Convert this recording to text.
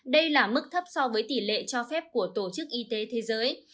đây là mức thấp so với tỷ lệ cho phép của tổ chức y tế thế giới